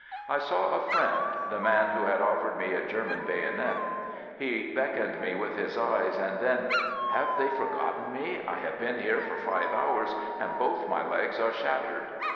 I saw a friend — the man who had offered me a German bayonet. He beckoned me with his eyes and then — "Have they for gotten me? I have been here for five hours and both my legs are shattered."